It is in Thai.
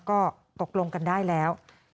ก็ตกลงกันได้แล้ว